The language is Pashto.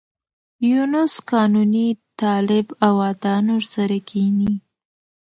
یونس قانوني، طالب او عطا نور سره کېني.